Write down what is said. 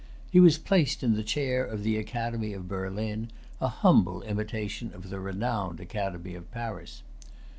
He was placed in the Chair of the Academy of Berlin, a humble imitation of the renowned Academy of Paris.